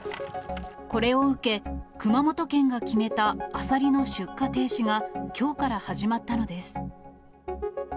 これを受け、熊本県が決めたアサリの出荷停止が、きょうから始まったのです。